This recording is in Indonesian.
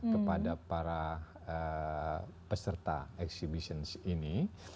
kepada para peserta exhibition ini